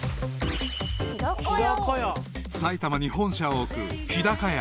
［埼玉に本社を置く日高屋］